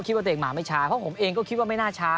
คิดว่าตัวเองมาไม่ช้าเพราะผมเองก็คิดว่าไม่น่าช้า